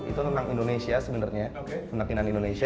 itu tentang indonesia sebenernya penakinan indonesia